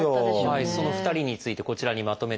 その２人についてこちらにまとめてみました。